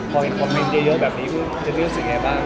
พอเห็นคอมเมนเยอะเยอะแบบนี้คุณจะเลือดสิ่งไงบ้าง